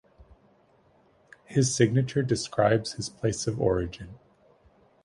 His signature describes his place of origin.